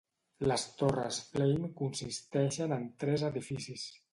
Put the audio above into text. Les Torres Flame consisteixen en tres edificis: